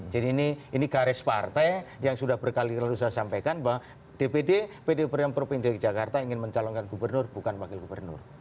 jadi ini garis partai yang sudah berkali lalu saya sampaikan bahwa dpd pdi perjuangan provinsi dg jakarta ingin mencalonkan gubernur bukan wakil gubernur